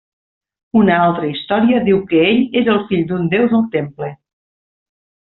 Una altra història diu que ell era el fill d'un déu del temple.